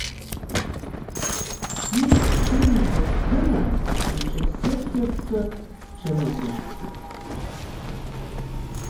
Бзиак шимҳәоз здырын, иҿасырхьырцы сҽыназыскит.